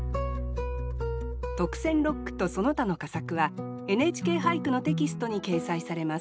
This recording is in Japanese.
特選六句とその他の佳作は「ＮＨＫ俳句」のテキストに掲載されます。